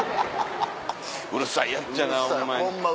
うるさいやっちゃなホンマに。